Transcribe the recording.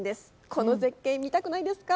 この絶景見たくないですか？